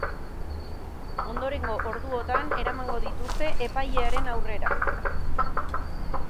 Ondorengo orduotan eramango dituzte epailearen aurrera.